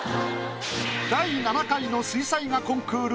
第７回の水彩画コンクール。